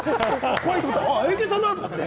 怖いと思ったら、エンケンさんだと思って。